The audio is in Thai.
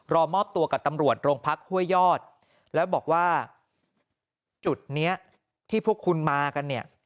รอมอบตัวกับตำรวจโรงพักห้วยยอดแล้วบอกว่าจุดเนี้ยที่พวกคุณมากันเนี่ย